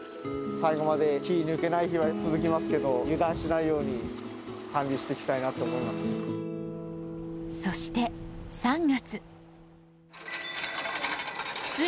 最後まで気抜けない日が続きますけど、油断しないように、そして３月。